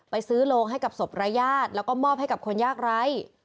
ไปซื้อโรงให้กับศพรายญาติแล้วก็มอบให้กับคนยากไร้